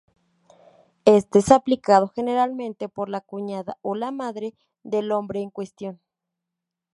Este es aplicado generalmente por la cuñada o la madre del hombre en cuestión.